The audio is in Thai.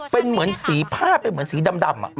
เป็นเหมือนสีผ้าเป็นเหมือนสีดำ